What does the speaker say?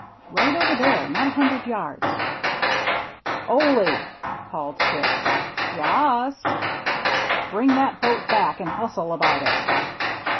" Right over there — not a hundred yards." "Ole! "called Dick. "Ya as." " Bring that boat back and hustle about it."